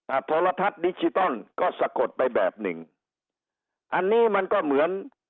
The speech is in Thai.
โทรทัศน์ดิจิตอลก็สะกดไปแบบหนึ่งอันนี้มันก็เหมือน